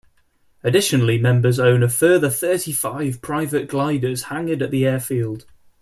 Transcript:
Additionally members own a further thirty five private gliders hangared at the airfield.